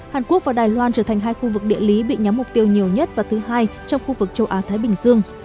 hàn quốc và đài loan trở thành hai khu vực địa lý bị nhắm mục tiêu nhiều nhất và thứ hai trong khu vực châu á thái bình dương